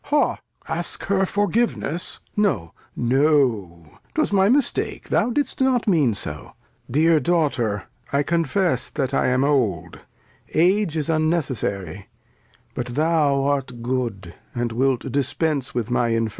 Ha ! Ask her Forgiveness ? No, no, 'twas my Mistake, thou didst not mean so Dear Daughter, I confess that I am old ; Age is unnecessary, but thou art good, And wilt dispense with my Infirmity.